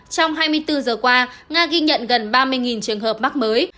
trong hai mươi bốn giờ qua nga ghi nhận gần ba mươi trường hợp mắc mới